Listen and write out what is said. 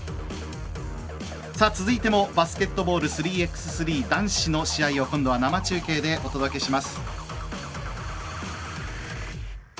続いてもバスケットボール３ｘ３男子の試合を今度は生中継でお届けします。